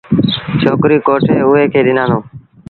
ڇوڪريٚ ڪوٺي اُئي کي ڏنآندون۔